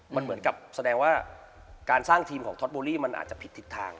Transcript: มันเหมือนกับแสดงว่าการสร้างทีมของท็อตโบรี่มันอาจจะผิดทิศทาง